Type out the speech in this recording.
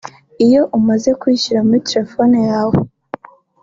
Iyo umaze kuyishyira muri telefone yawe